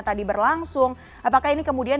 tadi berlangsung apakah ini kemudian